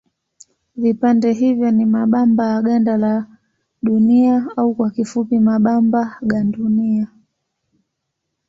Vipande hivyo ni mabamba ya ganda la Dunia au kwa kifupi mabamba gandunia.